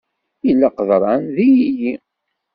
Yella qeḍran d yilili.